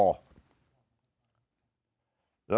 ครับ